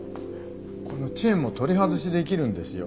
このチェーンも取り外しできるんですよ。